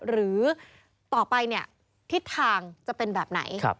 หรือต่อไปเนี่ยทิศทางจะเป็นแบบไหน